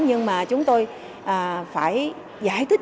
nhưng mà chúng tôi phải giải thích